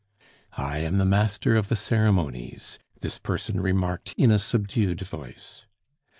"I am the master of the ceremonies," this person remarked in a subdued voice.